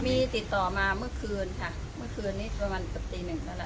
มีติดต่อมาเมื่อคืนค่ะเมื่อคืนนี้ประมาณสักตีหนึ่งนั่นแหละ